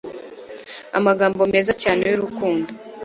amagambo meza cyane yurukundo